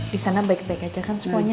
di sana baik baik aja kan semuanya